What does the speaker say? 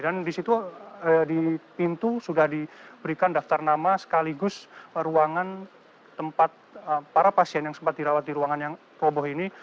dan di situ di pintu sudah diberikan daftar nama sekaligus ruangan tempat para pasien yang sempat dirawat di ruangan yang proboh ini